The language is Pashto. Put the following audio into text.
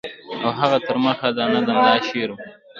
او هغه تر مخه دانه د ملا شعر وو.